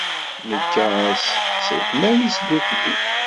Nekka ass s lekmal-nnes ddukkli.